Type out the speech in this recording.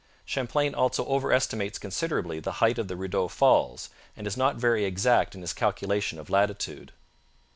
Champlain also over estimates considerably the height of the Rideau Falls and is not very exact in his calculation of latitude.